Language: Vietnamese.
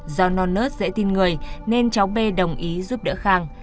do non nớt dễ tin người nên cháu b đồng ý giúp đỡ khang